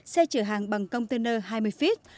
xe chở hàng bằng container hai mươi feet